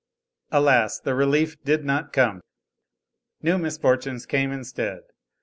Alas! the relief did not come. New misfortunes came instead.